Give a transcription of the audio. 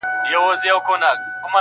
د بېګانه وو مزدوران دي په پیسو راغلي؛